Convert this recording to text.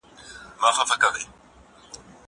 زه له سهاره انځور ګورم!!